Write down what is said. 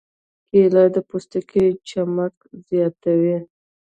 کېله د پوستکي چمک زیاتوي.